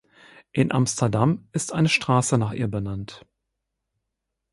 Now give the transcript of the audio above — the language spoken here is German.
In Amsterdam ist eine Straße nach ihr benannt.